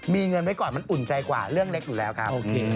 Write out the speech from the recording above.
มีเงินไว้ก่อนมันอุ่นใจกว่าเรื่องเล็กอยู่แล้วครับโอเค